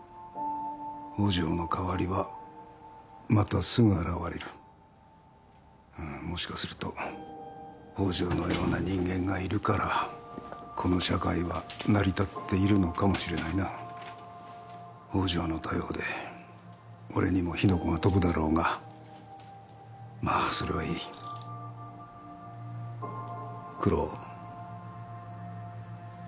宝条の代わりはまたすぐ現れるもしかすると宝条のような人間がいるからこの社会は成り立っているのかもしれないな宝条の逮捕で俺にも火の粉が飛ぶだろうがまあそれはいいクロ